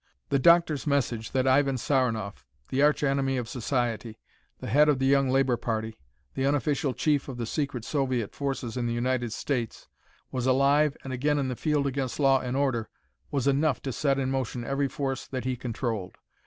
The doctor's message that Ivan Saranoff, the arch enemy of society, the head of the Young Labor party, the unofficial chief of the secret Soviet forces in the United States, was alive and again in the field against law and order was enough to set in motion every force that he controlled.